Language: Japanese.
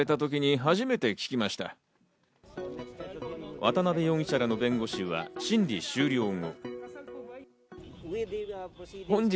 渡辺容疑者らの弁護士は、審理終了後。